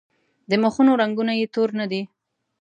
د مخونو رنګونه یې تور نه دي.